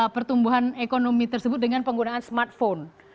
pertumbuhan ekonomi tersebut dengan penggunaan smartphone